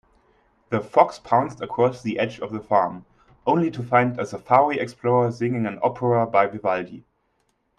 The fox pounced across the edge of the farm, only to find a safari explorer singing an opera by Vivaldi.